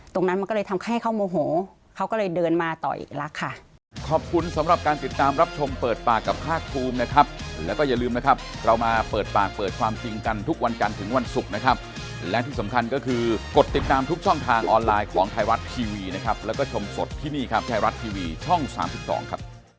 ตรงนั้นมันก็เลยทำให้เขาโมโหเขาก็เลยเดินมาต่ออีกแล้วค่ะ